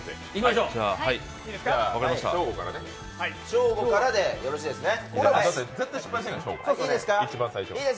ショーゴからでよろしいですね。